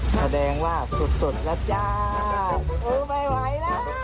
แสดงว่าสุดแล้วจ้าเออไม่ไหวแล้วไม่ไหว